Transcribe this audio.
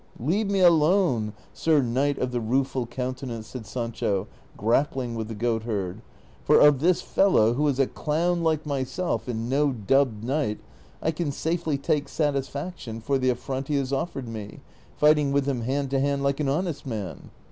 " Leave me alone, Sir Knight of the Rue ful Countenance," said Sancho, grappling with the goatherd, " for of this fellow, who is a clown like myself, and no dubbed knight, I can safely take satisfaction for the affront he has offered me, fiarhting with him hand to hand like an honest man."